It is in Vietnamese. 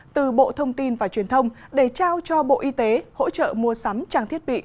từ bộ thông tin và truyền thông để trao cho bộ y tế hỗ trợ mua sắm trang thiết bị